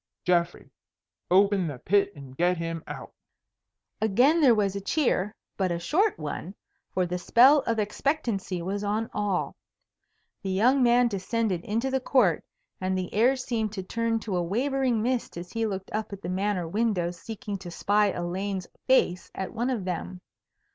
Geoffrey, open the pit and get him out." Again there was a cheer, but a short one, for the spell of expectancy was on all. The young man descended into the court, and the air seemed to turn to a wavering mist as he looked up at the Manor windows seeking to spy Elaine's face at one of them.